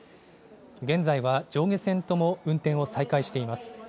現在は上下線とも運転を再開しています。